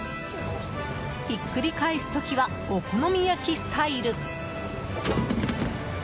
ひっくり返す時はお好み焼きスタイル。